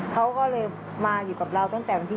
เขาก็เลยมาอยู่กับเราตั้งแต่วันที่๑